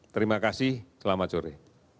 terima kasih selamat sore